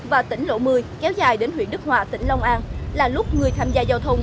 và tỉnh lộ một mươi kéo dài đến huyện đức hòa tỉnh long an là lúc người tham gia giao thông